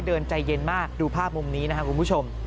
เดินใจเย็นมากดูภาพมุมนี้นะฮะคุณผู้ชม